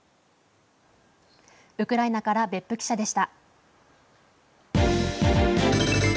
ウクライナから別府記者でした。